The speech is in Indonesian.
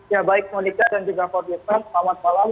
ya baik monica dan juga fordy fadz selamat malam